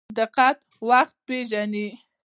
پیلوټ دقیق وخت پیژني.